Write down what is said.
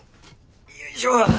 よいしょ！